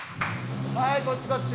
はいこっちこっち。